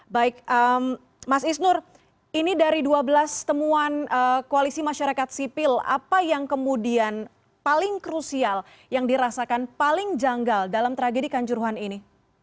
baik mas isnur ini dari dua belas temuan koalisi masyarakat sipil apa yang kemudian paling krusial yang dirasakan paling janggal dalam tragedi kanjuruhan ini